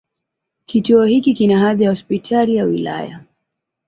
Kituo hiki kina hadhi ya Hospitali ya wilaya.